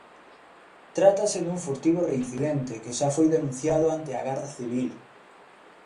Trátase dun furtivo reincidente, que xa foi denunciado ante a Garda Civil.